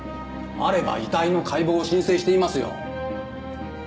あれば遺体の解剖を申請していますよ。